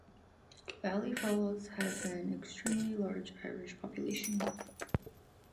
Valley Falls has an extremely large Irish population.